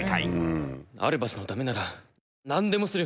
アルバスのためなら何でもする。